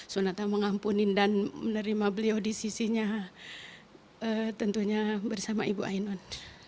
sunata mengampuni dan menerima beliau di sisinya tentunya bersama ibu ainun